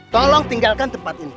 tolong tinggalkan tempat ini